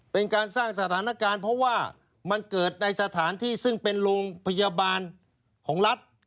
เป็นการสร้างสถานการณ์เพราะว่ามันเกิดในสถานที่ซึ่งเป็นโรงพยาบาลของรัฐ